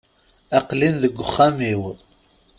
Aqel-in deg uxxam-iw.